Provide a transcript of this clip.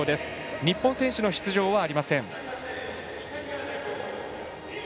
日本選手の出場はありません。